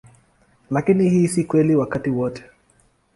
Lakini hii si kweli wakati wote.